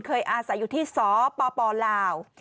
เคยอาศัยอยู่ที่สปลาว